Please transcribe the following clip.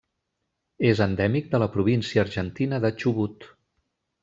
És endèmic de la província argentina de Chubut.